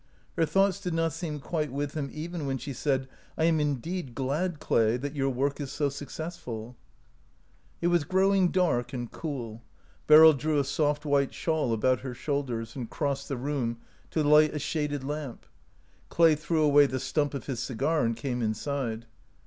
Her thoughts did not seem quite with him even when she said, " I am indeed glad, Clay, that your work is so successful." 196 OUT OF BOHEMIA It was growing dark and cool. Beryl drew a soft white shawl about her shoulders and crossed the room to light a shaded lamp. Clay threw away the stump of his cigar and came inside.